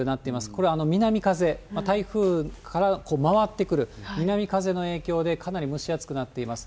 これは南風、台風から回ってくる南風の影響で、かなり蒸し暑くなっています。